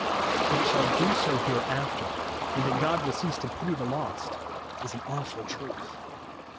That it shall do so here after, and that God will cease to pity the lost, is an awful truth.